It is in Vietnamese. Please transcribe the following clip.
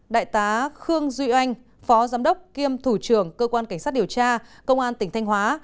đại tá khương duy anh phó giám đốc kiêm thủ trưởng cơ quan cảnh sát điều tra công an tỉnh thanh hóa